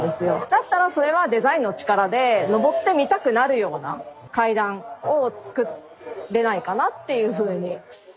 だったらそれはデザインの力で上ってみたくなるような階段を作れないかなっていうふうに。